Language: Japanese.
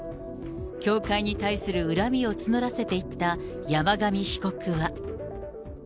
教会に対する恨みを募らせていった山上被告は。